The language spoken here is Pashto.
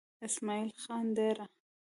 اسمعيل خان ديره